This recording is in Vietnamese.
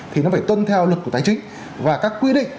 thì nó phải tuân theo luật của tài chính và các quy định